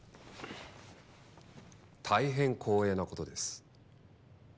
大変光栄な事です。